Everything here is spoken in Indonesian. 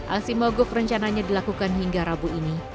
aksi mogok rencananya dilakukan hingga rabu ini